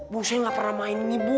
bu saya gak pernah main ini bu